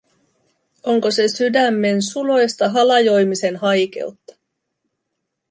Onko se sydämen suloista halajoimisen haikeutta?